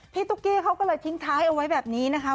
ตุ๊กกี้เขาก็เลยทิ้งท้ายเอาไว้แบบนี้นะคะ